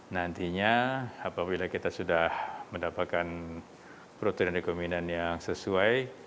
nantinya apabila kita sudah mendapatkan protein rekombinan yang sesuai